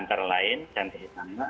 antara lain cantiknya sama